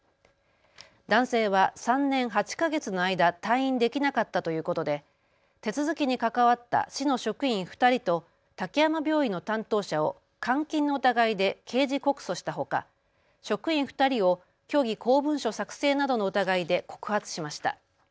男性は３年８か月の間、退院できなかったということで手続きに関わった市の職員２人と滝山病院の担当者を監禁の疑いで刑事告訴したほか職員２人を虚偽公文書作成などの疑いで告発しました。